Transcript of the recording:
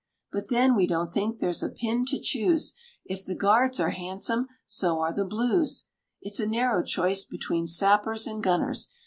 But, then, we don't think there's a pin to choose; If the Guards are handsome, so are the Blues. It's a narrow choice between Sappers and Gunners.